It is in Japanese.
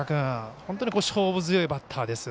本当に勝負強いバッターです。